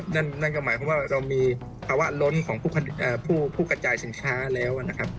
นั่นก็หมายความว่าเรามีภาวะล้นของผู้กระจายสินค้าแล้วนะครับ